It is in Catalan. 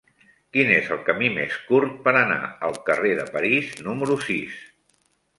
Quin és el camí més curt per anar al carrer de París número sis?